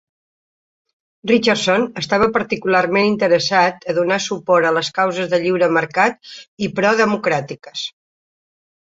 Richardson estava particularment interessat a donar suport a les causes de lliure mercat i pro-democràtiques.